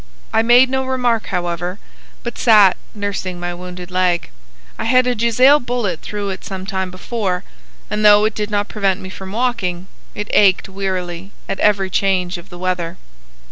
I made no remark, however, but sat nursing my wounded leg. I had a Jezail bullet through it some time before, and, though it did not prevent me from walking, it ached wearily at every change of the weather.